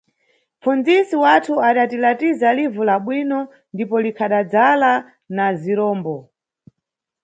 Mʼpfundzisi wathu adatilatiza livu la bwino ndipo likhadadzala na zirombo.